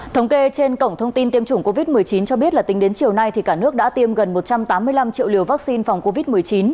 thống kê trên cổng thông tin tiêm chủng covid một mươi chín cho biết là tính đến chiều nay cả nước đã tiêm gần một trăm tám mươi năm triệu liều vaccine phòng covid một mươi chín